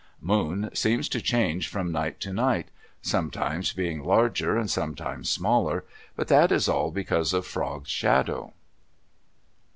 Moon seems to change from night to night, sometimes being larger and sometimes smaller, but that is all because of Frog's shadow.